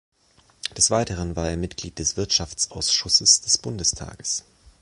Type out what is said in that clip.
Des Weiteren war er Mitglied des Wirtschaftsausschusses des Bundestages.